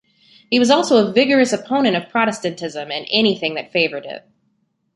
He was also a vigorous opponent of Protestantism, and anything that favored it.